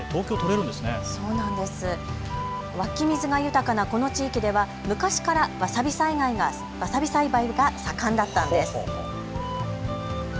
湧き水が豊かなこの地域では昔からわさび栽培が盛んだったんです。